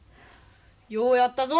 ・ようやったぞ。